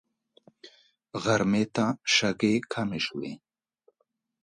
غرمې ته شګې کمې شوې.